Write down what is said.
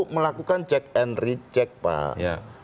melakukan cek and recheck pak